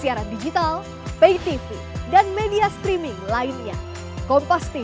makanya dijadwalkan pagi malam pagi